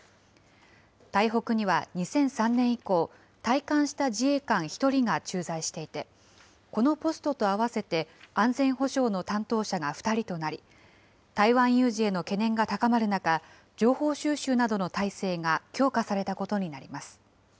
台北には２００３年以降、退官した自衛官１人が駐在していて、このポストとあわせて、安全保障の担当者が２人となり、台湾有事への懸念が高まる中、情報収集などの体制が強化されたことになります。